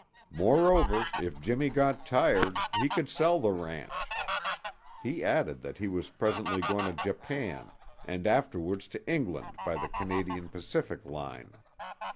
Moreover, if Jimmy got tired, he could sell the ranch. He added that he was presently going to Japan and afterwards to England by the Canadian Pacific line.